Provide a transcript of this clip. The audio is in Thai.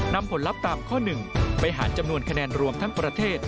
ผลลัพธ์ตามข้อ๑ไปหารจำนวนคะแนนรวมทั้งประเทศ